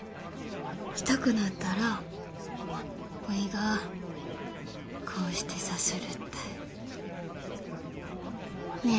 痛くなったらおいがこうしてさするったいねえ